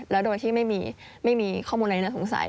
แล้วโดยที่ไม่มีข้อมูลอะไรน่าสงสัย